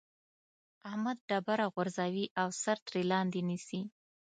احمد ډبره غورځوي او سر ترې لاندې نيسي.